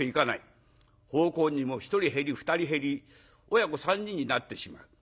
奉公人も１人減り２人減り親子３人になってしまう。